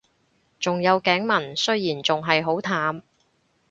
仲有頸紋，雖然仲係好淡